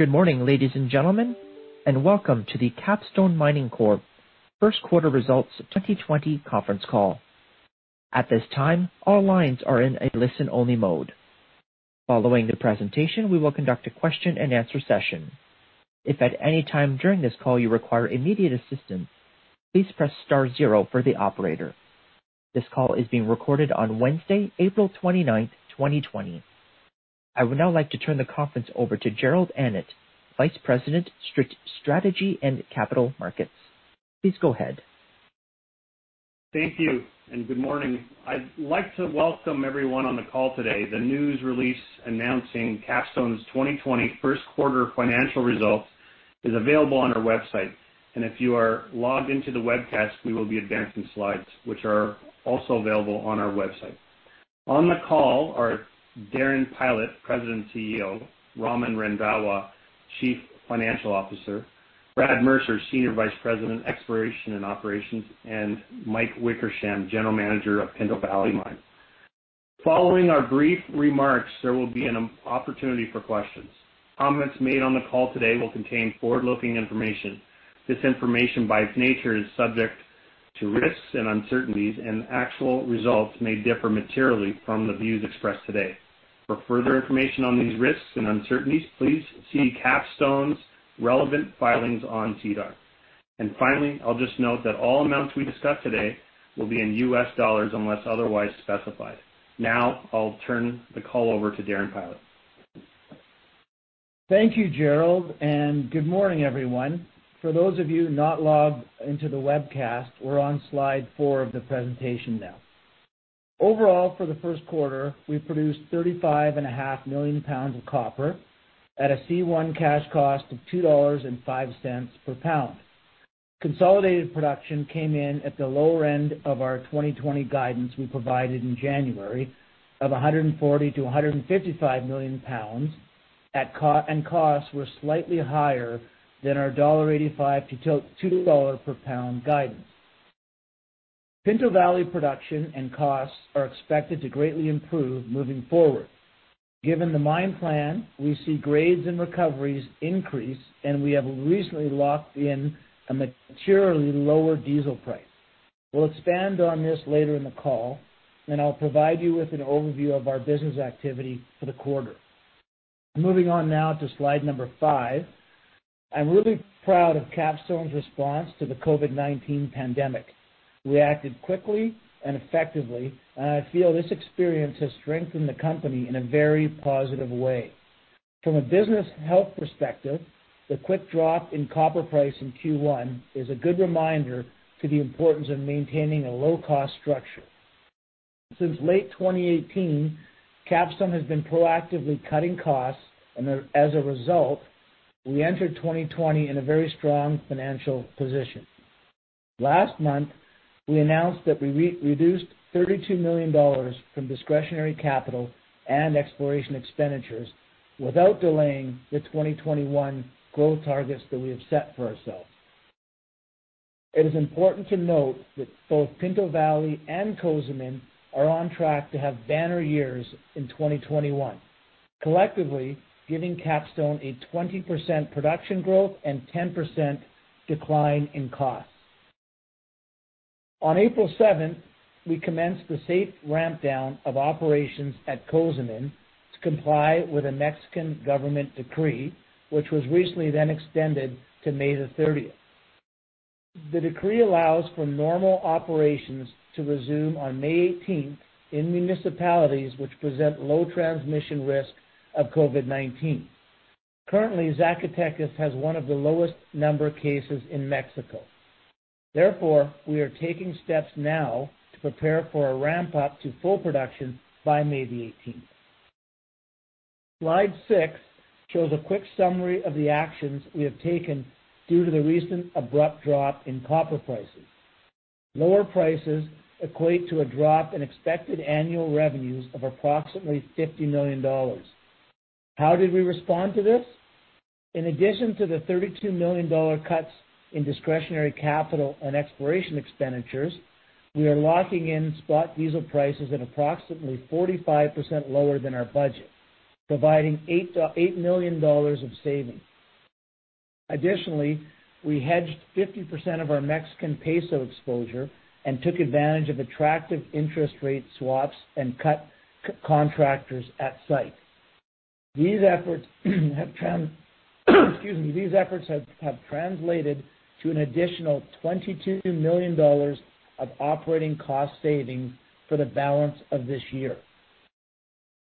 Good morning, ladies and gentlemen, and welcome to the Capstone Mining Corp. First Quarter Results 2020 Conference Call. At this time, all lines are in a listen-only mode. Following the presentation, we will conduct a question-and-answer session. If at any time during this call you require immediate assistance, please press star zero for the operator. This call is being recorded on Wednesday, April 29th, 2020. I would now like to turn the conference over to Jerrold Annett, Vice President, Strategy and Capital Markets. Please go ahead. Thank you and good morning. I'd like to welcome everyone on the call today. The news release announcing Capstone's 2020 first quarter financial results is available on our website, and if you are logged into the webcast, we will be advancing slides which are also available on our website. On the call are Darren Pylot, President, CEO; Raman Randhawa, Chief Financial Officer; Brad Mercer, Senior Vice President, Exploration and Operations; and Mike Wickersham, General Manager of Pinto Valley Mine. Following our brief remarks, there will be an opportunity for questions. Comments made on the call today will contain forward-looking information. This information, by its nature, is subject to risks and uncertainties, and actual results may differ materially from the views expressed today. For further information on these risks and uncertainties, please see Capstone's relevant filings on SEDAR. Finally, I'll just note that all amounts we discuss today will be in U.S. dollars unless otherwise specified. Now, I'll turn the call over to Darren Pylot. Thank you, Jerrold, and good morning, everyone. For those of you not logged into the webcast, we're on Slide four of the presentation now. Overall, for the first quarter, we produced 35.5 million lbs of copper at a C1 cash cost of $2.05 per pound. Consolidated production came in at the lower end of our 2020 guidance we provided in January of 140 million lbs-155 million lbs, and costs were slightly higher than our $1.85-$2 per pound guidance. Pinto Valley production and costs are expected to greatly improve moving forward. Given the mine plan, we see grades and recoveries increase, and we have recently locked in a materially lower diesel price. We'll expand on this later in the call, and I'll provide you with an overview of our business activity for the quarter. Moving on now to Slide number five. I'm really proud of Capstone's response to the COVID-19 pandemic. We acted quickly and effectively and I feel this experience has strengthened the company in a very positive way. From a business health perspective, the quick drop in copper price in Q1 is a good reminder to the importance of maintaining a low-cost structure. Since late 2018, Capstone has been proactively cutting costs. As a result, we entered 2020 in a very strong financial position. Last month, we announced that we reduced $32 million from discretionary capital and exploration expenditures without delaying the 2021 growth targets that we have set for ourselves. It is important to note that both Pinto Valley and Cozamin are on track to have banner years in 2021, collectively giving Capstone a 20% production growth and 10% decline in costs. On April 7th, we commenced the safe ramp down of operations at Cozamin to comply with a Mexican government decree, which was recently then extended to May 30th. The decree allows for normal operations to resume on May 18th in municipalities which present low transmission risk of COVID-19. Currently, Zacatecas has one of the lowest number of cases in Mexico. We are taking steps now to prepare for a ramp-up to full production by May 18th. Slide six shows a quick summary of the actions we have taken due to the recent abrupt drop in copper prices. Lower prices equate to a drop in expected annual revenues of approximately $50 million. How did we respond to this? In addition to the $32 million cuts in discretionary capital and exploration expenditures, we are locking in spot diesel prices at approximately 45% lower than our budget, providing $8 million of savings. Additionally, we hedged 50% of our Mexican peso exposure and took advantage of attractive interest rate swaps and cut contractors at site. These efforts have translated to an additional $22 million of operating cost saving for the balance of this year.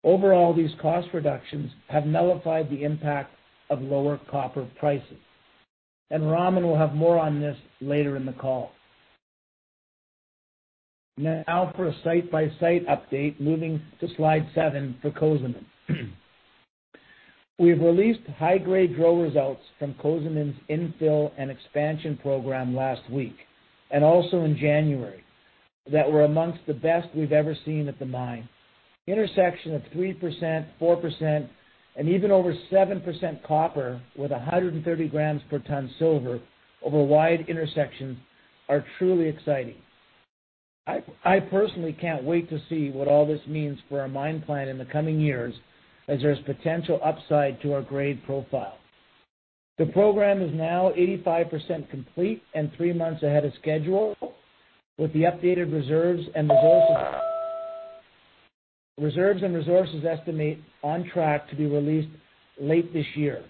Overall, these cost reductions have nullified the impact of lower copper prices. Raman will have more on this later in the call. Now for a site-by-site update, moving to Slide seven for Cozamin. We've released high-grade drill results from Cozamin's Infill and Expansion Program last week, and also in January, that were amongst the best we've ever seen at the mine. Intersection of 3%, 4%, and even over 7% copper with 130 g per ton silver over a wide intersection are truly exciting. I personally can't wait to see what all this means for our mine plan in the coming years, as there's potential upside to our grade profile. The program is now 85% complete and three months ahead of schedule with the updated reserves and resources estimate on track to be released late this year.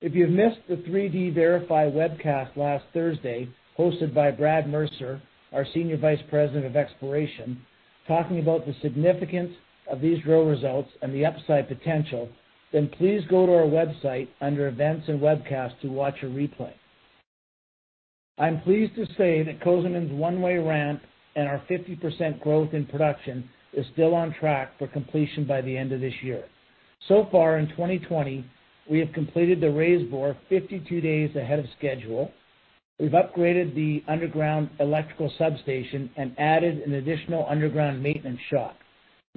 If you've missed the 3D VRIFY webcast last Thursday, hosted by Brad Mercer, our Senior Vice President of Exploration, talking about the significance of these drill results and the upside potential, then please go to our website under Events and Webcasts to watch a replay. I'm pleased to say that Cozamin's one-way ramp and our 50% growth in production is still on track for completion by the end of this year. So far in 2020, we have completed the raise bore 52 days ahead of schedule. We've upgraded the underground electrical substation and added an additional underground maintenance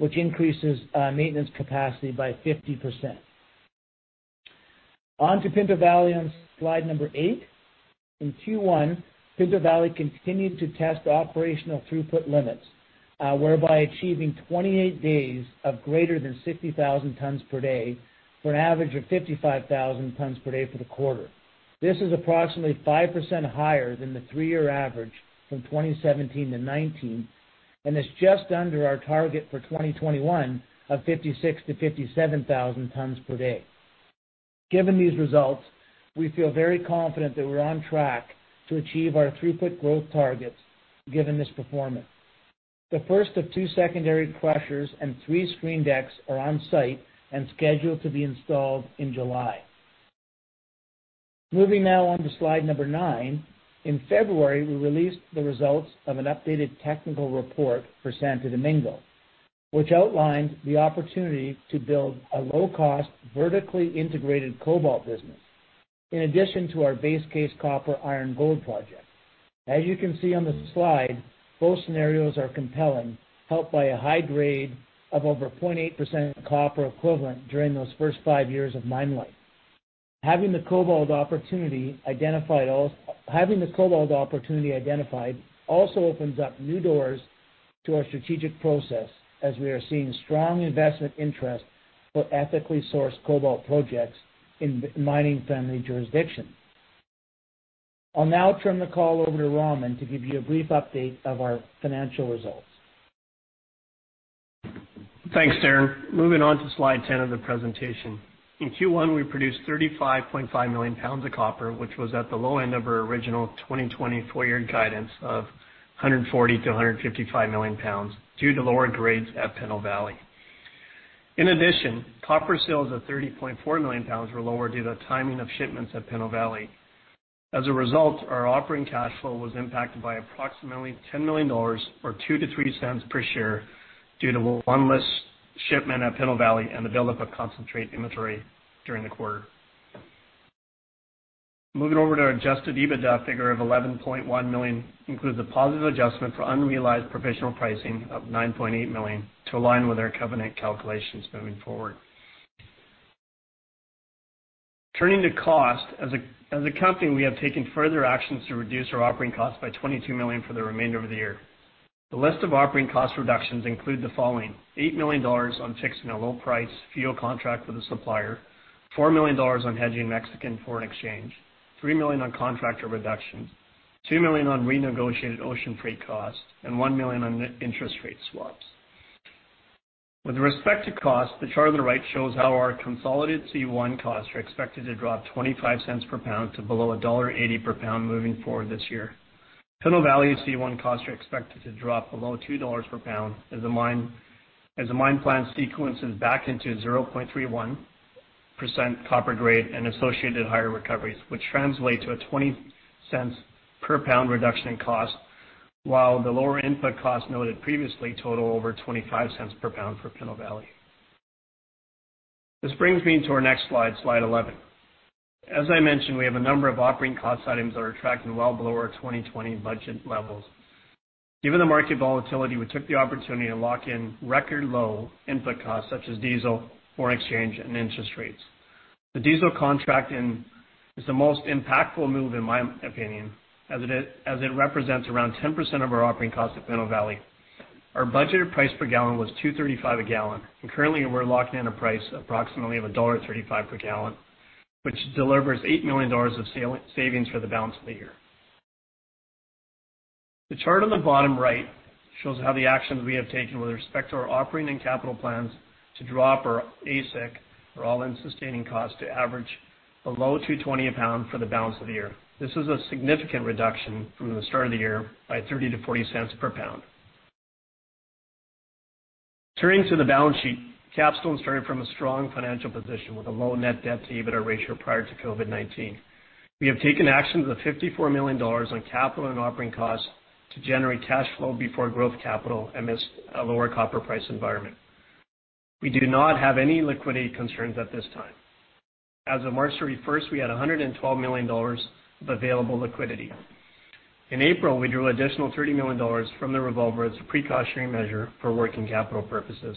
shop, which increases maintenance capacity by 50%. To Pinto Valley on Slide number eight. In Q1, Pinto Valley continued to test operational throughput limits, whereby achieving 28 days of greater than 60,000 tons per day for an average of 55,000 tons per day for the quarter. This is approximately 5% higher than the three-year average from 2017 to 2019, and is just under our target for 2021 of 56,000-57,000 tons per day. Given these results, we feel very confident that we're on track to achieve our throughput growth targets given this performance. The first of two secondary crushers and three screen decks are on-site and scheduled to be installed in July. Moving now on to Slide number nine. In February, we released the results of an updated technical report for Santo Domingo, which outlined the opportunity to build a low-cost, vertically integrated cobalt business, in addition to our base case copper iron gold project. As you can see on the slide, both scenarios are compelling, helped by a high grade of over 0.8% copper equivalent during those first five years of mine life. Having the cobalt opportunity identified also opens up new doors to our strategic process, as we are seeing strong investment interest for ethically sourced cobalt projects in mining-friendly jurisdictions. I'll now turn the call over to Raman to give you a brief update of our financial results. Thanks, Darren. Moving on to Slide 10 of the presentation. In Q1, we produced 35.5 million lbs of copper, which was at the low end of our original 2020 full-year guidance of 140 million lbs-155 million lbs due to lower grades at Pinto Valley. In addition, copper sales of 30.4 million lbs were lower due to timing of shipments at Pinto Valley. As a result, our operating cash flow was impacted by approximately $10 million or $0.02-$0.03 per share due to one less shipment at Pinto Valley and the buildup of concentrate inventory during the quarter. Moving over to our adjusted EBITDA figure of $11.1 million includes a positive adjustment for unrealized provisional pricing of $9.8 million to align with our covenant calculations moving forward. Turning to cost, as a company, we have taken further actions to reduce our operating cost by $22 million for the remainder of the year. The list of operating cost reductions include the following: $8 million on fixing a low-price fuel contract with a supplier, $4 million on hedging Mexican foreign exchange, $3 million on contractor reductions, $2 million on renegotiated ocean freight costs, and $1 million on interest rate swaps. With respect to cost, the chart on the right shows how our consolidated C1 costs are expected to drop $0.25 per pound to below $1.80 per pound moving forward this year. Pinto Valley C1 costs are expected to drop below $2 per pound as the mine plan sequences back into 0.31% copper grade and associated higher recoveries, which translate to a $0.20 per pound reduction in cost, while the lower input costs noted previously total over $0.25 per pound for Pinto Valley. This brings me to our next Slide 11. As I mentioned, we have a number of operating cost items that are tracking well below our 2020 budget levels. Given the market volatility, we took the opportunity to lock in record low input costs such as diesel, foreign exchange, and interest rates. The diesel contract is the most impactful move in my opinion, as it represents around 10% of our operating cost at Pinto Valley. Our budgeted price per gallon was $2.35 a gallon. Currently we're locking in a price approximately of $1.35 per gallon, which delivers $8 million of savings for the balance of the year. The chart on the bottom right shows how the actions we have taken with respect to our operating and capital plans to drop our AISC, or all-in sustaining cost, to average below $2.20 a pound for the balance of the year. This is a significant reduction from the start of the year by $0.30-$0.40 per pound. Turning to the balance sheet, Capstone started from a strong financial position with a low net debt-to-EBITDA ratio prior to COVID-19. We have taken actions of $54 million on capital and operating costs to generate cash flow before growth capital amidst a lower copper price environment. We do not have any liquidity concerns at this time. As of March 31st, we had $112 million of available liquidity. In April, we drew additional $30 million from the revolver as a precautionary measure for working capital purposes.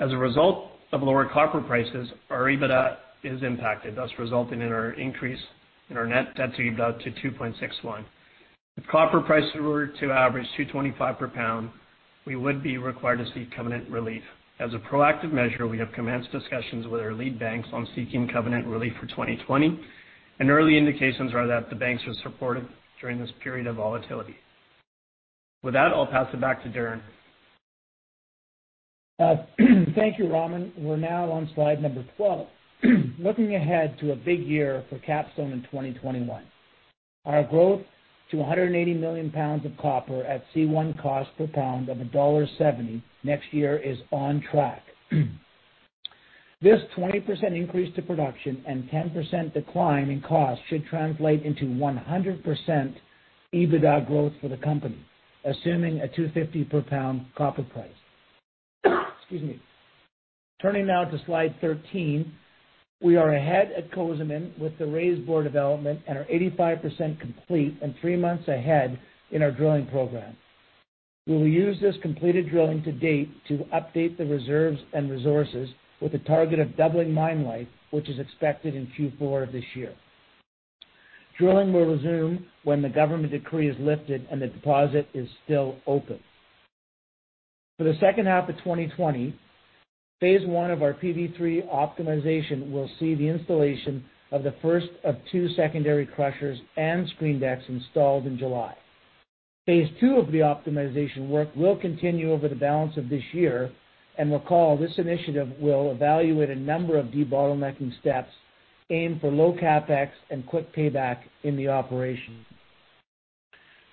As a result of lower copper prices, our EBITDA is impacted, thus resulting in our increase in our net debt-to-EBITDA to 2.61. If copper prices were to average $2.25 per pound, we would be required to seek covenant relief. As a proactive measure, we have commenced discussions with our lead banks on seeking covenant relief for 2020. Early indications are that the banks are supportive during this period of volatility. With that, I'll pass it back to Darren. Thank you, Raman. We're now on Slide number 12. Looking ahead to a big year for Capstone in 2021. Our growth to 180 million lbs of copper at C1 cost per pound of $1.70, next year is on track. This 20% increase to production and 10% decline in cost should translate into 100% EBITDA growth for the company, assuming a $2.50 per pound copper price. Excuse me. Turning now to Slide 13. We are ahead at Cozamin with the raise bore development and are 85% complete and three months ahead in our drilling program. We will use this completed drilling to date to update the reserves and resources with a target of doubling mine life, which is expected in Q4 of this year. Drilling will resume when the government decree is lifted and the deposit is still open. For the second half of 2020, phase 1 of our PV3 optimization will see the installation of the first of two secondary crushers and screen decks installed in July. Phase 2 of the optimization work will continue over the balance of this year, and recall, this initiative will evaluate a number of debottlenecking steps aimed for low CapEx and quick payback in the operation.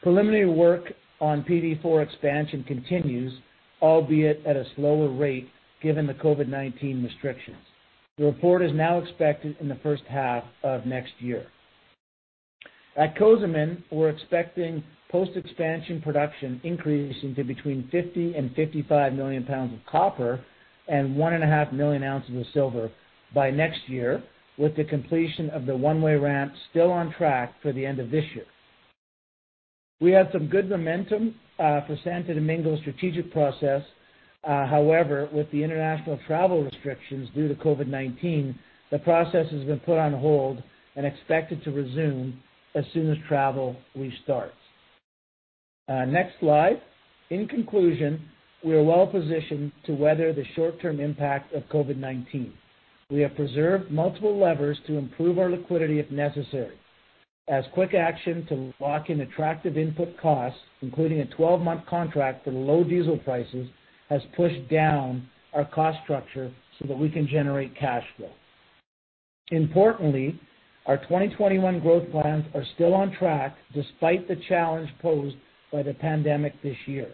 Preliminary work on PV4 expansion continues, albeit at a slower rate, given the COVID-19 restrictions. The report is now expected in the first half of next year. At Cozamin, we're expecting post-expansion production increase into between 50 million lbs and 55 million lbs of copper and 1.5 million ounces of silver by next year, with the completion of the one-way ramp still on track for the end of this year. We had some good momentum for Santo Domingo strategic process. However, with the international travel restrictions due to COVID-19, the process has been put on hold and expected to resume as soon as travel restarts. Next slide. In conclusion, we are well positioned to weather the short-term impact of COVID-19. We have preserved multiple levers to improve our liquidity if necessary. As quick action to lock in attractive input costs, including a 12-month contract for low diesel prices, has pushed down our cost structure so that we can generate cash flow. Importantly, our 2021 growth plans are still on track despite the challenge posed by the pandemic this year.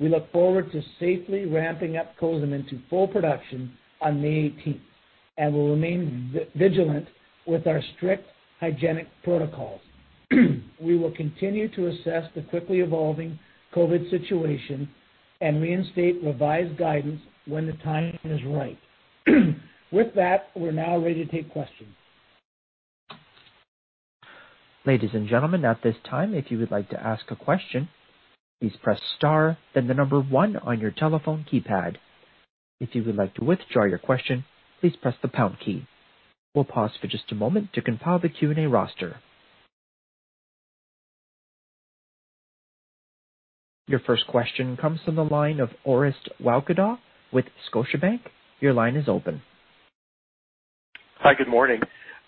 We look forward to safely ramping up Cozamin to full production on May 18th, and we'll remain vigilant with our strict hygienic protocols. We will continue to assess the quickly evolving COVID situation and reinstate revised guidance when the time is right. With that, we're now ready to take questions. Ladies and gentlemen, at this time, if you would like to ask a question, please press star then the number one on your telephone keypad. If you would like to withdraw your question, please press the pound key. We'll pause for just a moment to compile the Q&A roster. Your first question comes from the line of Orest Wowkodaw with Scotiabank. Your line is open. Hi, good morning.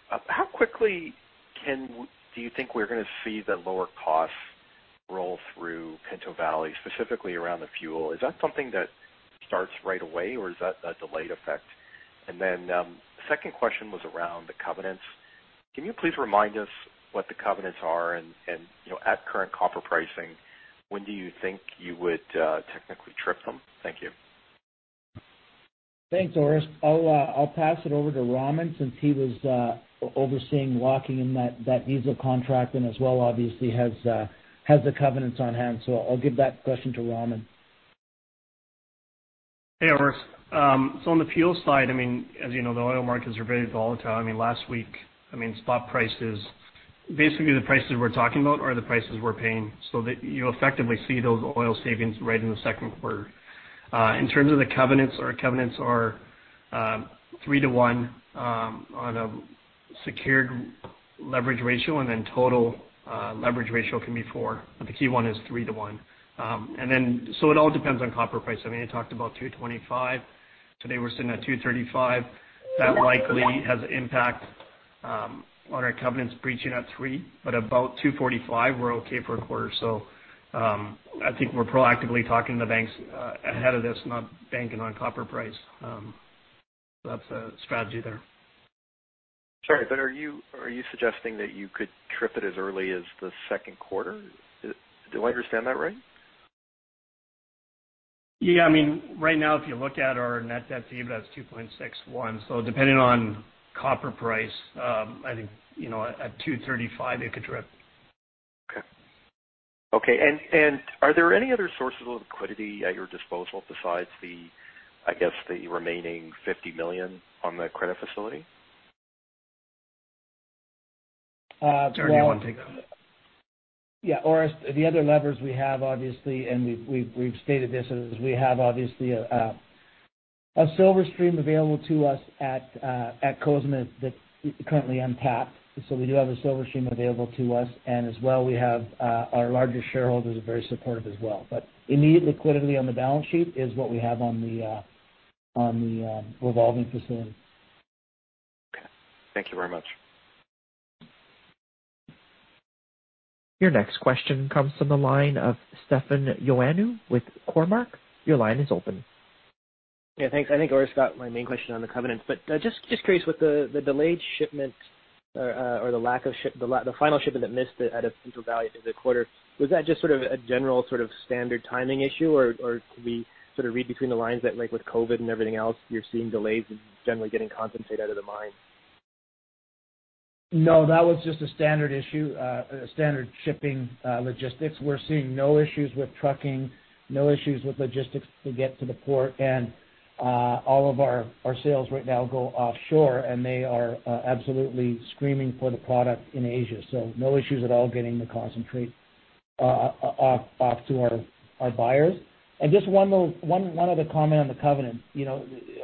How quickly do you think we're going to see the lower costs roll through Pinto Valley, specifically around the fuel? Is that something that starts right away, or is that a delayed effect? Second question was around the covenants. Can you please remind us what the covenants are and at current copper pricing, when do you think you would technically trip them? Thank you. Thanks, Orest. I'll pass it over to Raman since he was overseeing locking in that diesel contract and as well obviously has the covenants on hand. I'll give that question to Raman. Hey, Orest. On the fuel side, as you know, the oil markets are very volatile. Last week, spot prices, basically the prices we're talking about are the prices we're paying. That you effectively see those oil savings right in the second quarter. In terms of the covenants, our covenants are 3-1 on a secured leverage ratio, and then total leverage ratio can be 4, but the key one is 3-1. It all depends on copper price. You talked about $2.25. Today, we're sitting at $2.35. That likely has impact on our covenants breaching at $3, about $2.45, we're okay for a quarter or so. I think we're proactively talking to the banks ahead of this, not banking on copper price. That's the strategy there. Sorry, are you suggesting that you could trip it as early as the second quarter? Do I understand that right? Yeah. Right now, if you look at our net debt-to-EBITDA, it's 2.61. Depending on copper price, I think, at $2.35, it could trip. Okay. Are there any other sources of liquidity at your disposal besides, I guess the remaining $50 million on the credit facility? Darren, do you want to take that one? Yeah. Orest, the other levers we have, obviously, and we've stated this, is we have a silver stream available to us at Cozamin that's currently untapped. We do have a silver stream available to us, and as well, our largest shareholders are very supportive as well. Immediate liquidity on the balance sheet is what we have on the revolving facility. Okay. Thank you very much. Your next question comes from the line of Stefan Ioannou with Cormark. Your line is open. Yeah, thanks. I think Orest got my main question on the covenants, but just curious with the delayed shipment or the final shipment that missed out of Pinto Valley for the quarter, was that just a general standard timing issue, or could we read between the lines that with COVID and everything else, you're seeing delays in generally getting concentrate out of the mine? No, that was just a standard issue, standard shipping logistics. We're seeing no issues with trucking, no issues with logistics to get to the port, and all of our sales right now go offshore, and they are absolutely screaming for the product in Asia. No issues at all getting the concentrate off to our buyers. Just one other comment on the covenant.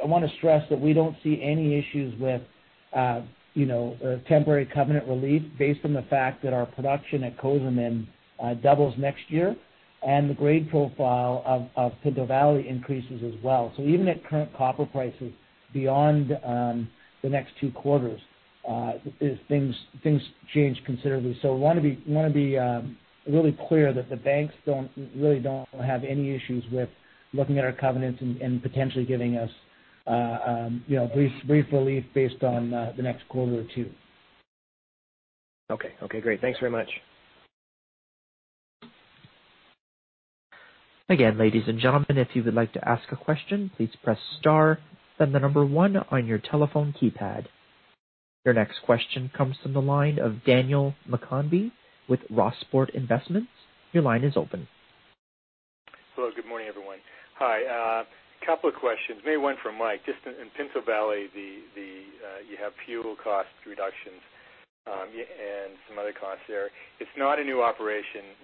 I want to stress that we don't see any issues with temporary covenant relief based on the fact that our production at Cozamin doubles next year and the grade profile of Pinto Valley increases as well. Even at current copper prices, beyond the next two quarters, things change considerably. I want to be really clear that the banks really don't have any issues with looking at our covenants and potentially giving us brief relief based on the next quarter or two. Okay. Great. Thanks very much. Ladies and gentlemen, if you would like to ask a question, please press star, then the number one on your telephone keypad. Your next question comes from the line of Daniel McConvey with Rossport Investments. Your line is open. Hello. Good morning, everyone. Hi. A couple of questions, maybe one for Mike. Just in Pinto Valley, you have fuel cost reductions and some other costs there. It's not a new operation.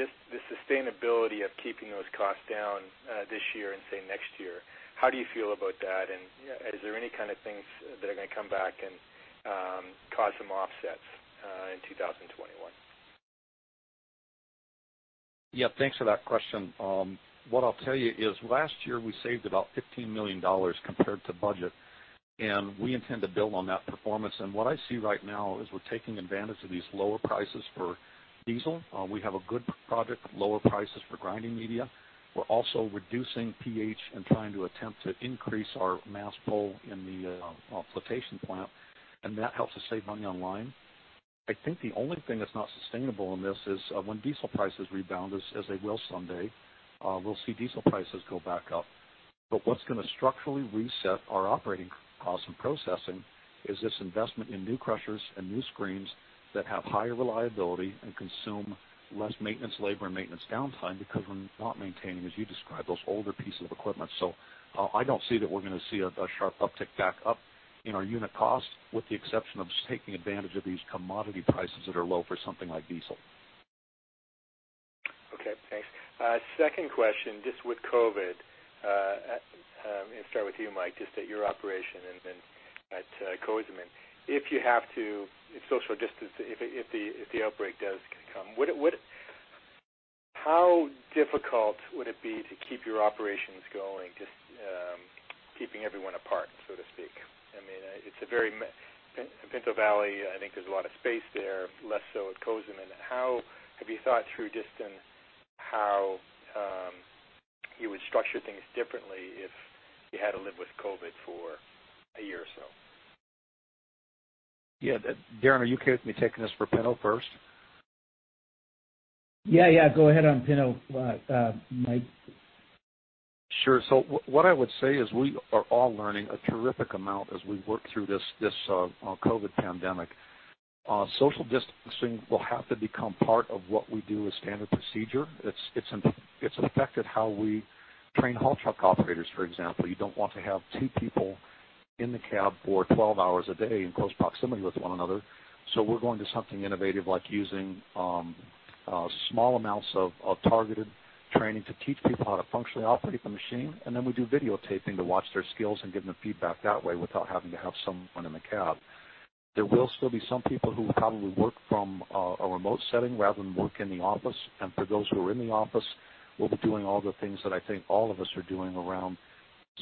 Just the sustainability of keeping those costs down this year and, say, next year, how do you feel about that, and is there any kind of things that are going to come back and cause some offsets in 2021? Yeah. Thanks for that question. What I'll tell you is last year, we saved about $15 million compared to budget. We intend to build on that performance. What I see right now is we're taking advantage of these lower prices for diesel. We have a good project, lower prices for grinding media. We're also reducing pH and trying to attempt to increase our mass pull in the flotation plant, and that helps us save money on lime. I think the only thing that's not sustainable in this is when diesel prices rebound, as they will someday, we'll see diesel prices go back up. What's going to structurally reset our operating costs in processing is this investment in new crushers and new screens that have higher reliability and consume less maintenance labor and maintenance downtime because we're not maintaining, as you described, those older pieces of equipment. I don't see that we're going to see a sharp uptick back up in our unit cost, with the exception of just taking advantage of these commodity prices that are low for something like diesel. Okay, thanks. Second question, just with COVID. I'm going to start with you, Mike, just at your operation and then at Cozamin. If you have to social distance, if the outbreak does come, how difficult would it be to keep your operations going, just keeping everyone apart, so to speak? Pinto Valley, I think there's a lot of space there, less so at Cozamin. Have you thought through just how you would structure things differently if you had to live with COVID for a year or so? Yeah. Darren, are you okay with me taking this for Pinto first? Yeah. Go ahead on Pinto, Mike. Sure. What I would say is we are all learning a terrific amount as we work through this COVID-19 pandemic. Social distancing will have to become part of what we do as standard procedure. It's affected how we train haul truck operators, for example. You don't want to have two people in the cab for 12 hours a day in close proximity with one another. We're going to something innovative like using small amounts of targeted training to teach people how to functionally operate the machine, and then we do videotaping to watch their skills and give them feedback that way without having to have someone in the cab. There will still be some people who probably work from a remote setting rather than work in the office. For those who are in the office, we'll be doing all the things that I think all of us are doing around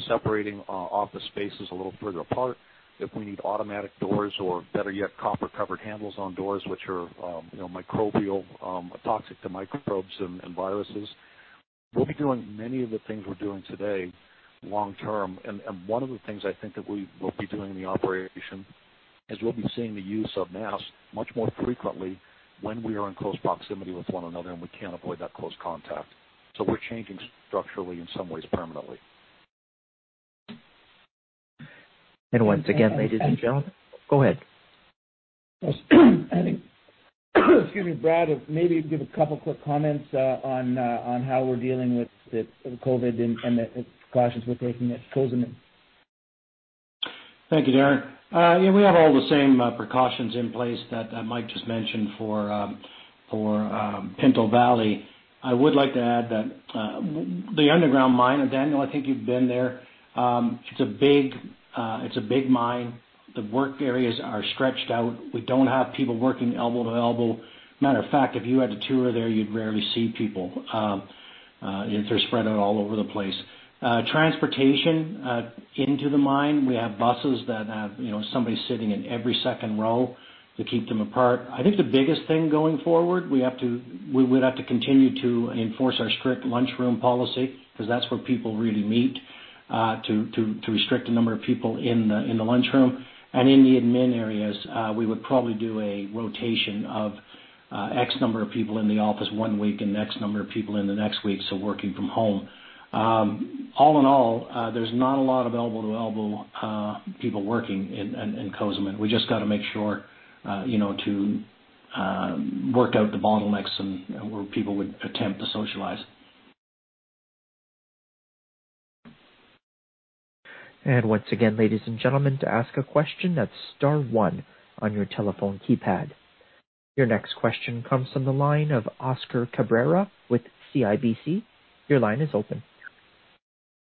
separating office spaces a little further apart. If we need automatic doors or, better yet, copper-covered handles on doors, which are toxic to microbes and viruses. We'll be doing many of the things we're doing today long term. One of the things I think that we will be doing in the operation is we'll be seeing the use of masks much more frequently when we are in close proximity with one another and we can't avoid that close contact. We're changing structurally, in some ways permanently. Once again, ladies and gentlemen. Go ahead. Excuse me, Brad, maybe give a couple of quick comments on how we're dealing with the COVID and the precautions we're taking at Cozamin. Thank you, Darren. Yeah, we have all the same precautions in place that Mike just mentioned for Pinto Valley. I would like to add that the underground mine, and Daniel, I think you've been there. It's a big mine. The work areas are stretched out. We don't have people working elbow to elbow. Matter of fact, if you had to tour there, you'd rarely see people. They're spread out all over the place. Transportation into the mine, we have buses that have somebody sitting in every second row to keep them apart. I think the biggest thing going forward, we would have to continue to enforce our strict lunchroom policy, because that's where people really meet, to restrict the number of people in the lunchroom. In the admin areas, we would probably do a rotation of X number of people in the office one week and X number of people in the next week, so working from home. All in all, there's not a lot of elbow-to-elbow people working in Cozamin. We just got to make sure to work out the bottlenecks and where people would attempt to socialize. Once again, ladies and gentlemen, to ask a question, that's star one on your telephone keypad. Your next question comes from the line of Oscar Cabrera with CIBC. Your line is open.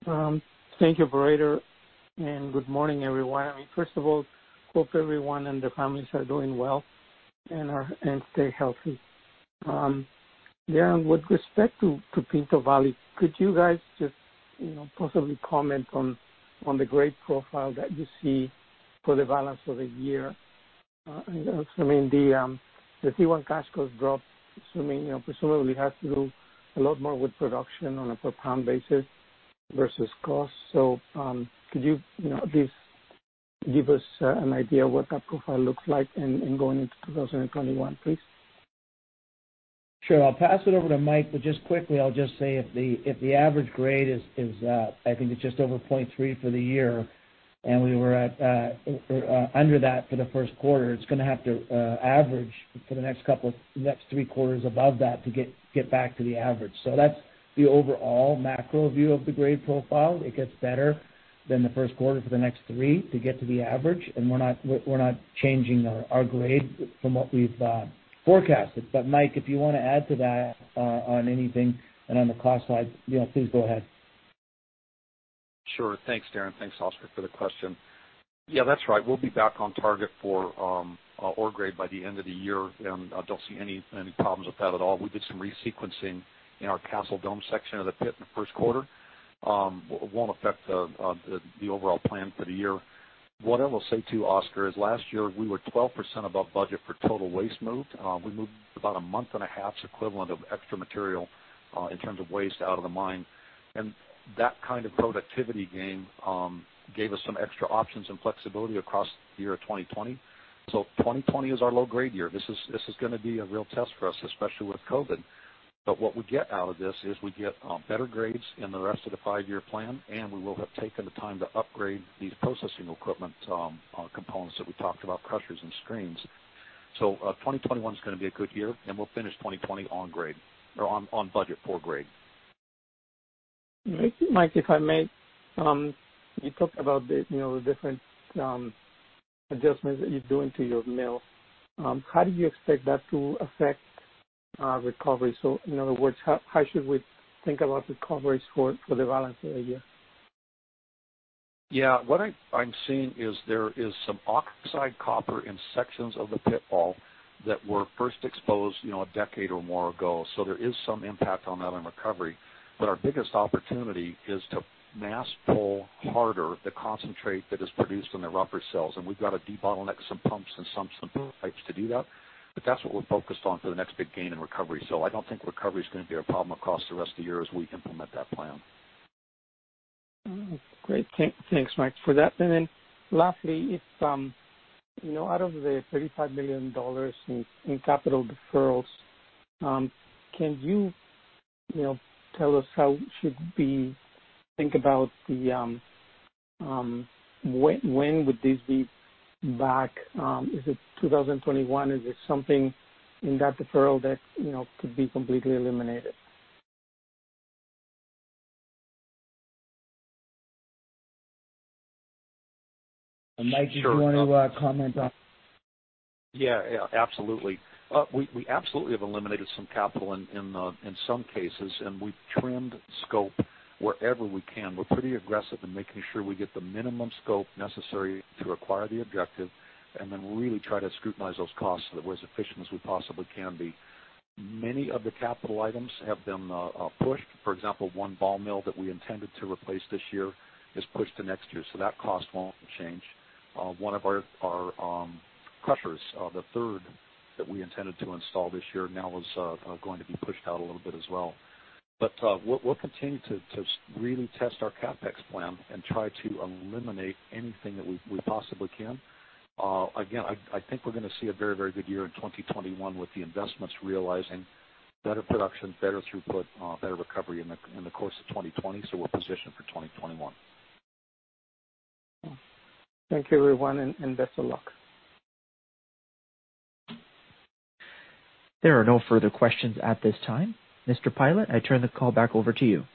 Thank you, operator. Good morning, everyone. First of all, hope everyone and their families are doing well and stay healthy. Darren, with respect to Pinto Valley, could you guys just possibly comment on the grade profile that you see for the balance of the year? Assuming the C1 cash cost drop, presumably, it has to do a lot more with production on a per pound basis versus cost. Could you at least give us an idea what that profile looks like in going into 2021, please? Sure. I'll pass it over to Mike. Just quickly, I'll just say if the average grade is, I think it's just over 0.3 for the year, and we were under that for the first quarter, it's going to have to average for the next three quarters above that to get back to the average. That's the overall macro view of the grade profile. It gets better than the first quarter for the next three to get to the average, and we're not changing our grade from what we've forecasted. Mike, if you want to add to that on anything and on the cost side, please go ahead. Sure. Thanks, Darren. Thanks, Oscar, for the question. Yeah, that's right. We'll be back on target for ore grade by the end of the year, and I don't see any problems with that at all. We did some resequencing in our Castle Dome section of the pit in the first quarter. It won't affect the overall plan for the year. What I will say, too, Oscar, is last year, we were 12% above budget for total waste moved. We moved about a month and a half's equivalent of extra material, in terms of waste, out of the mine. That kind of productivity gain gave us some extra options and flexibility across the year 2020. 2020 is our low-grade year. This is going to be a real test for us, especially with COVID. What we get out of this is we get better grades in the rest of the five-year plan, and we will have taken the time to upgrade the processing equipment components that we talked about, crushers and screens. 2021 is going to be a good year, and we'll finish 2020 on budget for grade. Mike, if I may, you talked about the different adjustments that you're doing to your mill. How do you expect that to affect recovery? In other words, how should we think about recoveries for the balance of the year? What I'm seeing is there is some oxide copper in sections of the pit wall that were first exposed a decade or more ago. There is some impact on that in recovery. Our biggest opportunity is to mass pull harder the concentrate that is produced in the rougher cells, and we've got to debottleneck some pumps and some pipes to do that. That's what we're focused on for the next big gain in recovery. I don't think recovery is going to be a problem across the rest of the year as we implement that plan. Great. Thanks, Mike, for that. Lastly, out of the $32 million in capital deferrals, can you tell us how should we think about when would this be back? Is it 2021? Is there something in that deferral that could be completely eliminated? Mike, did you want to comment on that? Yeah. Absolutely. We absolutely have eliminated some capital in some cases, and we've trimmed scope wherever we can. We're pretty aggressive in making sure we get the minimum scope necessary to acquire the objective and then really try to scrutinize those costs so that we're as efficient as we possibly can be. Many of the capital items have been pushed. For example, one ball mill that we intended to replace this year is pushed to next year, so that cost won't change. One of our crushers, the third that we intended to install this year, now is going to be pushed out a little bit as well. We'll continue to really test our CapEx plan and try to eliminate anything that we possibly can. Again, I think we're going to see a very, very good year in 2021 with the investments realizing better production, better throughput, better recovery in the course of 2020, so we're positioned for 2021. Thank you, everyone, and best of luck. There are no further questions at this time. Darren Pylot, I turn the call back over to you.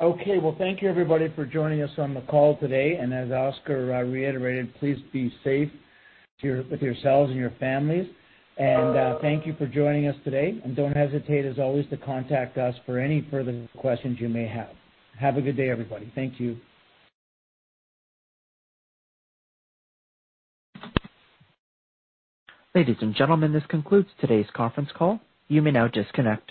Okay. Well, thank you, everybody, for joining us on the call today. As Oscar reiterated, please be safe with yourselves and your families. Thank you for joining us today. Don't hesitate, as always, to contact us for any further questions you may have. Have a good day, everybody. Thank you. Ladies and gentlemen, this concludes today's conference call. You may now disconnect.